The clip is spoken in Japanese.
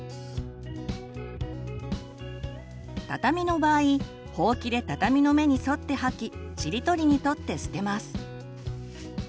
畳の場合ほうきで畳の目に沿って掃きちりとりに取って捨てます。